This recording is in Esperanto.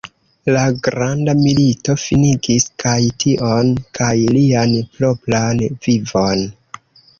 La Granda Milito finigis kaj tion kaj lian propran vivon.